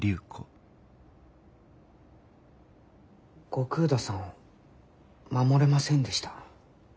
後工田さんを守れませんでした。